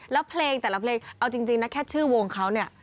แล้วเพลงแต่ละเพลงเอาจริงนะแค่ชื่อวงเขาเนี่ย